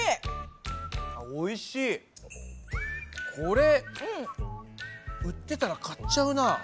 これ売ってたら買っちゃうな。